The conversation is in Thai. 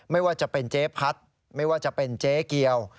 ไม่ว่าจะเป็นเจ๊พัดไม่ว่าจะเป็นเจ๊เกียว